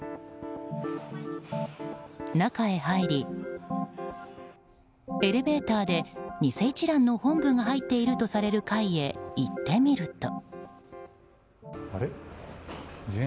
中へ入り、エレベーターで偽一蘭の本部が入っているとされる階へ行ってみると。